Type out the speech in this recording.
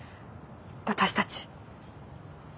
私たち。